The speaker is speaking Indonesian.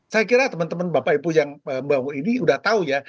saya kira teman teman bapak ibu yang baru ini sudah tahu ya